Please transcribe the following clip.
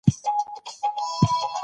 هغې شاته وکتل او لاس یې وخوځاوه.